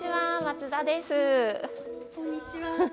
こんにちは。